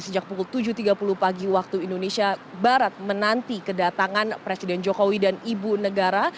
sejak pukul tujuh tiga puluh pagi waktu indonesia barat menanti kedatangan presiden jokowi dan ibu negara